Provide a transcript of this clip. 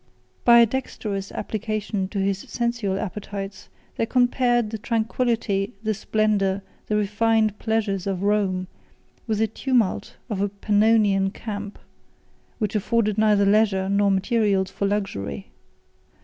By a dexterous application to his sensual appetites, they compared the tranquillity, the splendor, the refined pleasures of Rome, with the tumult of a Pannonian camp, which afforded neither leisure nor materials for luxury.